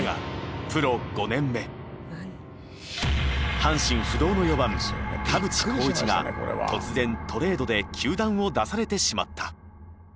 阪神不動の４番田淵幸一が突然トレードで球団を出されてしまった。